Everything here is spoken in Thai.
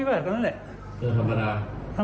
ไม่ตั้งใจครับ